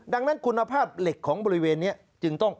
ดังนั้นคุณภาพเหล็กของบริเวณนี้จึงต้อง